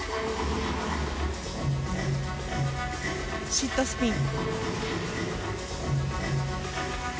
シットスピン。